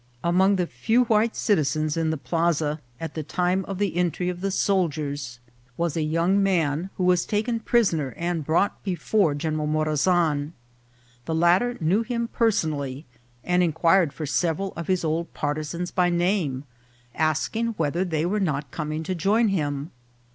Among the few white citizens in the plaza at the time of the entry 112 INCIDENTS OF TRAVEL. of the soldiers was a young man, who was taken pris oner and brought before General Morazan. The latter knew him personally, and inquired for several of his old partisans by name, asking whether they were not com ing to join him.